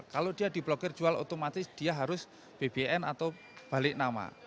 kalau dia di blokir jual otomatis dia harus bbn atau balik nama